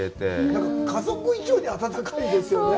なんか、家族以上に温かいですよね。